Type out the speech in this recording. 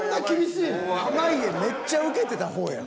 濱家めっちゃウケてた方やん。